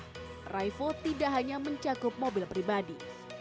arrival tidak hanya mencakup mobil pribadi